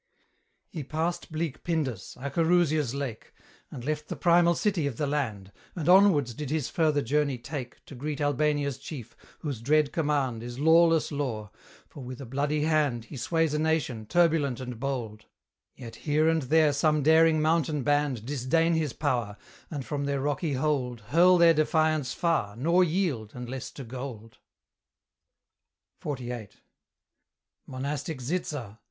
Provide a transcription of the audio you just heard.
He passed bleak Pindus, Acherusia's lake, And left the primal city of the land, And onwards did his further journey take To greet Albania's chief, whose dread command Is lawless law; for with a bloody hand He sways a nation, turbulent and bold: Yet here and there some daring mountain band Disdain his power, and from their rocky hold Hurl their defiance far, nor yield, unless to gold. XLVIII. Monastic Zitza!